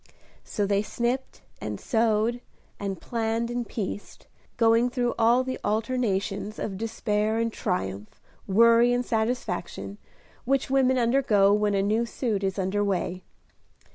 So they snipped and sewed, and planned and pieced, going through all the alternations of despair and triumph, worry and satisfaction, which women undergo when a new suit is under way.